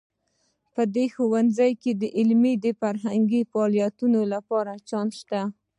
په دې ښوونځي کې د علمي او فرهنګي فعالیتونو لپاره چانس شته